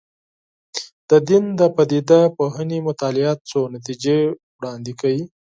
د دین د پدیده پوهنې مطالعات څو نتیجې وړاندې کوي.